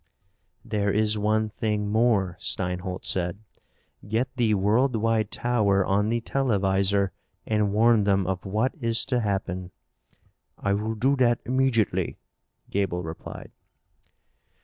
"There is one thing more," Steinholt said. "Get the Worldwide Tower on the televisor and warn them of what is to happen." "I will do that immediately," Gaeble replied.